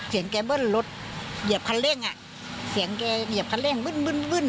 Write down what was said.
เสียงแกเบิ้ลรถเหยียบคันเร่งอ่ะเสียงแกเหยียบคันเร่งวึ่นวึ่นวึ่น